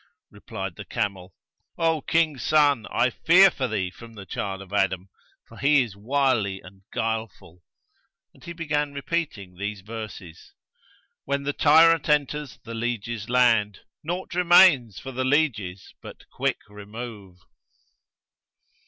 Replied the camel, 'O King's son, I fear for thee from the child of Adam, for he is wily and guilefull.' And he began repeating these verses:— 'When the tyrant enters the lieges' land, * Naught remains for the lieges but quick remove!'